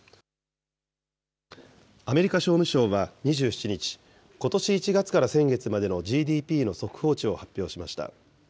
アメリカ商務省は２７日、ことし１月から先月までのＧＤＰの速報値を発表しました。